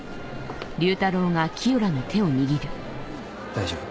大丈夫。